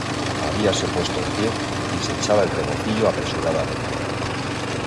habíase puesto en pie, y se echaba el rebocillo apresuradamente: